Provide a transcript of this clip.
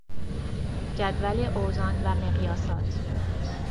جدول اوزان و مقیاسات